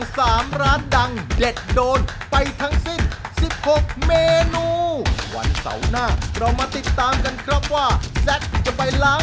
สำหรับวันนี้ลาไปก่อน